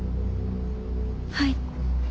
はい。